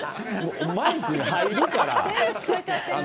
マイクに入るから。